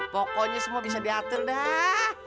pokoknya semua bisa diatur dah